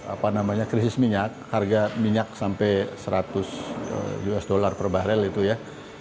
apa namanya krisis minyak harga minyak sampai seratus usd per barel itu ya